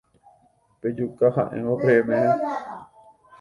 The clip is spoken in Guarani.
Pejuka ha'éngo peẽme.